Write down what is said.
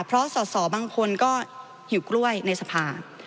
เพราะสอสอบางคนก็หิวกล้วยในสภา